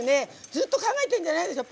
ずっと考えてんじゃないでしょ